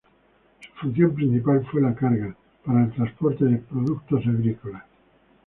Su función principal fue la carga, para el transporte de productos agrícolas.